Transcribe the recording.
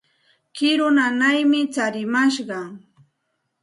Kiru nanaymi tsarimashqan.